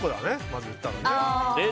まず言ったらね。